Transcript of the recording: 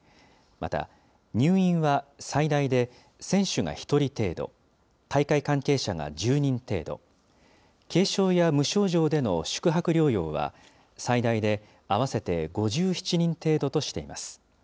また、入院は最大で選手が１人程度、大会関係者が１０人程度、軽症や無症状での宿泊療養は、最大で合わせて５７人程度としています。